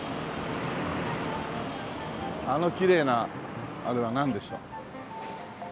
あのきれいなあれはなんでしょう？